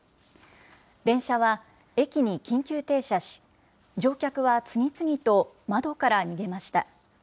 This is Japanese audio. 電車は駅に緊急停車し、乗客は次々と窓から逃げました。